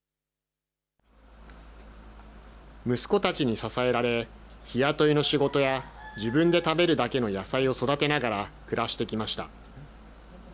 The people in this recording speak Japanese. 息子たちに支えられ、日雇いの仕事や自分で食べるだけの野菜を育てながら暮らしてきました。